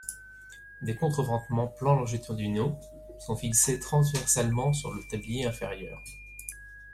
Des contreventements plans longitudinaux sont fixés transversalement sur le tablier inférieur.